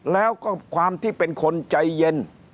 แล้วก็ความที่เป็นคนใจเย็น